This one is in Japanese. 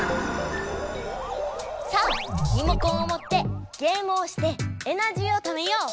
さあリモコンを持ってゲームをしてエナジーをためよう。